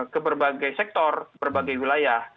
ke berbagai sektor berbagai wilayah